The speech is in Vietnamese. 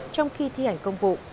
trong khi thi hành công vụ